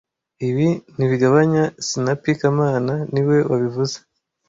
Ibi ntibigabanya sinapi kamana niwe wabivuze